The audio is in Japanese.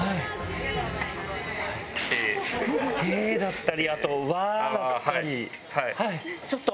「へぇ」だったりあと「ワ」だったり。